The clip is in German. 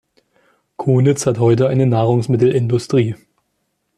Konitz hat heute eine Nahrungsmittelindustrie.